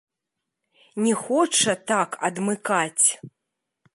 Не хоча так адмыкаць.